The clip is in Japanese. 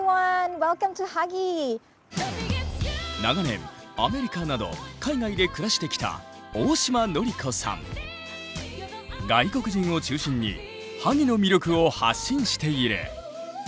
長年アメリカなど海外で暮らしてきた外国人を中心に萩の魅力を発信している。